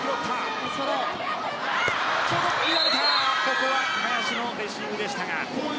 ここは林のレシーブでしたが。